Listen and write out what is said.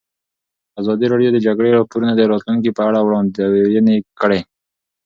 ازادي راډیو د د جګړې راپورونه د راتلونکې په اړه وړاندوینې کړې.